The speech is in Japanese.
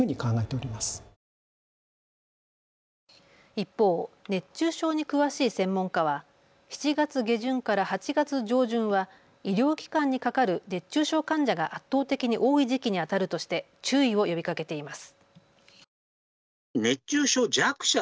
一方、熱中症に詳しい専門家は７月下旬から８月上旬は医療機関にかかる熱中症患者が圧倒的に多い時期にあたるとして注意を呼びかけています。